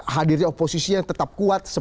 hadirnya oposisinya tetap kuat